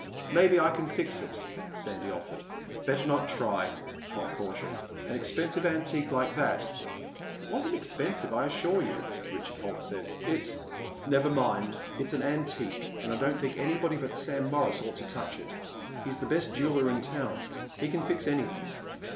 "Maybe I can fix it," Sandy offered. "Better not try," Pop cautioned. "An expensive antique like that—" "It wasn't expensive, I assure you," Richard Holt said. "It—" "Never mind," Pop said. "It's an antique and I don't think anybody but Sam Morris ought to touch it. He's the best jeweler in town. He can fix anything."